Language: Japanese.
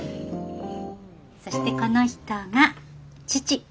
そしてこの人が父。